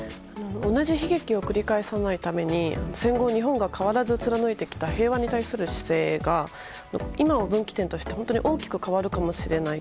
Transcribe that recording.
同じ悲劇を繰り返さないために日本が貫いてきた平和に対する姿勢が今を分岐点として本当に大きく変わるかもしれない。